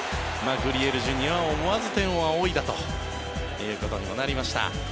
グリエルＪｒ．は思わず天を仰いだということにもなりました。